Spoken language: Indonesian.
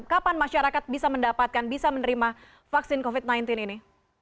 kapan masyarakat bisa mendapatkan bisa menerima vaksin covid sembilan belas ini